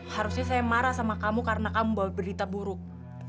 harusnya saya marah sama kamu karena kamu bawa berita buruk